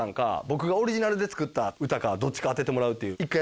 僕がオリジナルで作った歌かどっちか当ててもらうっていう１回やってみていいですか？